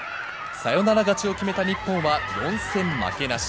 サヨナラ勝ちを決めた日本は、４戦負けなし。